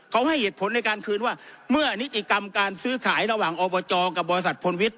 เขาให้เหตุผลในการคืนว่าเมื่อนิติกรรมการซื้อขายระหว่างอบจกับบริษัทพลวิทย